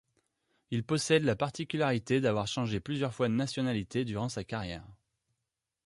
Il possède la particularité d'avoir changé plusieurs fois de nationalité durant sa carrière.